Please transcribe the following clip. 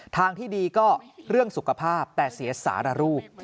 ทางที่ดีก็เรื่องสุขภาพแต่เสียสารรูป